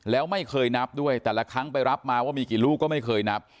แล้วไม่เคยนับด้วยแต่ละครั้งไปรับมาว่ามีกี่ลูกก็ไม่เคยนับ